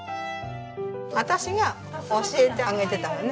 私が教えてあげてたのね。